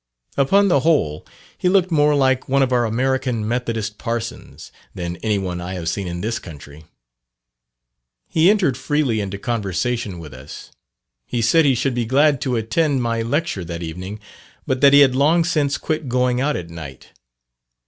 Upon the whole, he looked more like one of our American Methodist parsons, than any one I have seen in this country. He entered freely into conversation with us. He said he should be glad to attend my lecture that evening, but that he had long since quit going out at night.